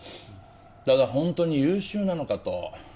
ただ本当に優秀なのかと。